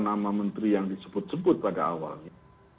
nama menteri yang disebut sebut pada awalnya